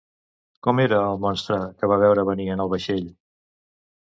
Com era el monstre que va veure venir en el vaixell?